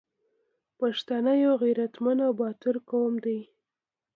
پښتانه یو غریتمند او باتور قوم دی